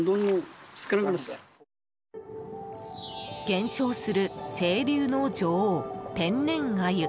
減少する清流の女王・天然アユ。